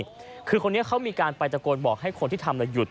นิดหนึ่งคนนี้เขามีการปรายตะโกนบอกให้คนที่ทำลายุทธ์